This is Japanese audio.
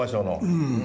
うん。